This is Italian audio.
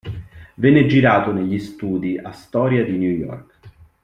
Venne girato negli studi Astoria di New York.